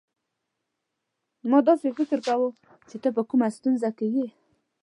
ما داسي فکر کاوه چي ته په کومه ستونزه کې يې.